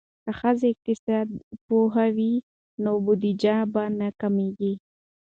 که ښځې اقتصاد پوهې وي نو بودیجه به نه کمیږي.